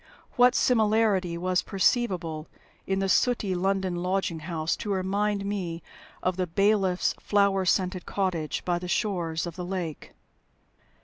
What similarity was perceivable in the sooty London lodging house to remind me of the bailiff's flower scented cottage by the shores of the lake?